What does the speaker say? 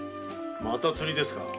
また釣りですか。